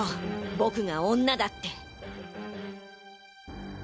僕が女だって。